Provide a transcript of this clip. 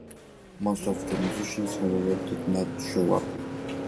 Most of the musicians, however, did not show up.